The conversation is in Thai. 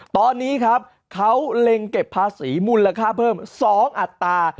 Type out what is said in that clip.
ตอนนี้ครับเขาเล็งเก็บภาษีมูลค่าเพิ่ม๒อัตรา